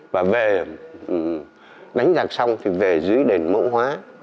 và về đánh nhạc xong thì về dưới đền mẫu hóa